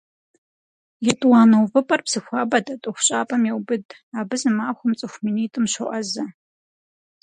Етӏуанэ увыпӏэр Псыхуабэ дэт ӏуэхущӏапӏэм еубыд - абы зы махуэм цӏыху минитӏым щоӏэзэ.